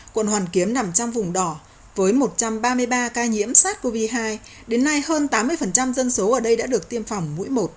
quận hoàn kiếm nằm trong vùng đỏ với một trăm ba mươi ba ca nhiễm sars cov hai đến nay hơn tám mươi dân số ở đây đã được tiêm phòng mũi một